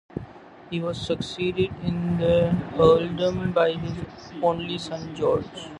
He was succeeded in the earldom by his only son, George.